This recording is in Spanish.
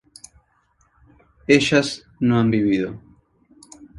ellas no han vivido